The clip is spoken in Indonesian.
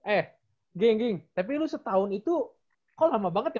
eh gengging tapi lu setahun itu kok lama banget ya